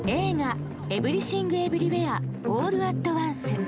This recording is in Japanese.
映画「エブリシング・エブリウェア・オール・アット・ワンス」。